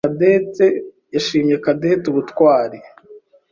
yashimye Cadette ubutwari.